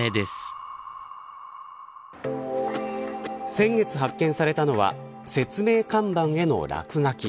先月発見されたのは説明看板への落書き。